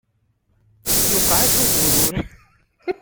Yuqeɛ-as uburur.